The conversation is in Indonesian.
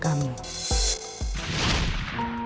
ibu yang mampu terima ibu